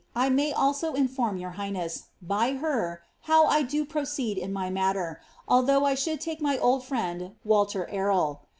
I may also inform your highness, by her, how I do proceed in my matter, although I should take my old friend Walter Errol.